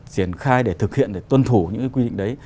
triển khai để thực hiện để tuân thủ những cái quy định đấy